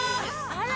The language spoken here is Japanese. あら！